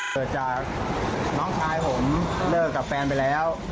เกิดจากน้องชายผมเลิกกับแฟนไปแล้ว